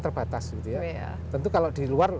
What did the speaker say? terbatas tentu kalau di luar